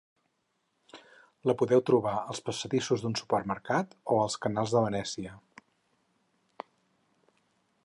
La podeu trobar als passadissos d'un supermercat o als canals de Venècia.